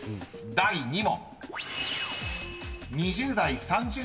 ［第２問］